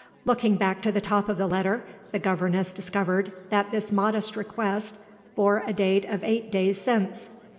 Looking back to the top of the letter, the governess discovered that this modest request bore a date of eight days since.